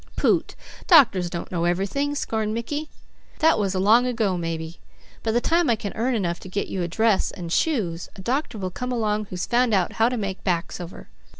"Poot! Doctors don't know everything," scorned Mickey. "That was long ago, maybe. By the time I can earn enough to get you a dress and shoes, a doctor will come along who's found out how to make backs over.